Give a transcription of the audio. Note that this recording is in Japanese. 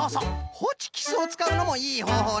ホチキスをつかうのもいいほうほうなんじゃよね。